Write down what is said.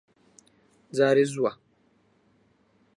جارێ زووە.